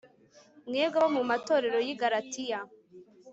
mwebwe abo mu matorero y i Galatiya